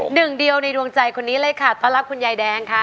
หนึ่งเดียวในดวงใจคนนี้เลยค่ะต้อนรับคุณยายแดงค่ะ